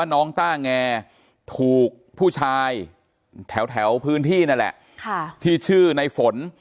ต้าแงถูกผู้ชายแถวพื้นที่นั่นแหละที่ชื่อในฝน